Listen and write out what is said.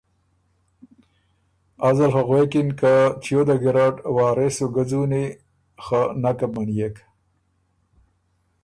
ازل خه غوېکِن که چیو ده ګیرډ وارث سُو ګۀ ځُوني خه نکه بو منيېک